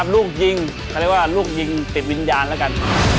ลูกยิงเขาเรียกว่าลูกยิงติดวิญญาณแล้วกัน